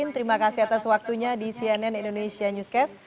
terima kasih atas waktunya di cnn indonesia newscast